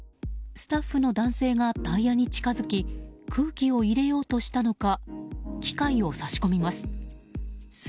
スタッフの男性がタイヤに近づき空気を入れようとしたのか機械を差し込みます。